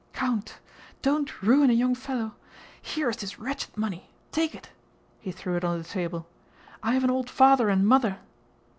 "Count!... Don't ruin a young fellow... here is this wretched money, take it..." He threw it on the table. "I have an old father and mother!..."